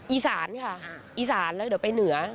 อีสานค่ะอีสานแล้วเดี๋ยวไปเหนือ